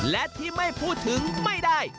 และที่ไม่พูดถึงไม่ได้